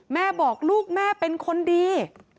แม่บอกลูกแม่เป็นคนดี